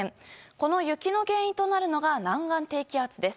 この雪の原因となるのが南岸低気圧です。